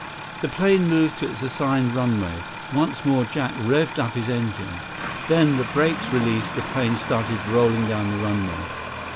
The plane moved to its assigned runway. Once more Jack revved up his engines. Then, the brakes released, the plane started rolling down the runway.